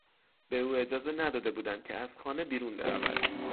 به او اجازه نداده بودند که از خانه بیرون برود.